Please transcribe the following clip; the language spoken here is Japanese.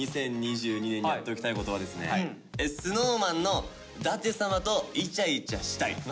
「２０２２年にやっておきたいこと」はですねＳｎｏｗＭａｎの舘様とイチャイチャしたいです。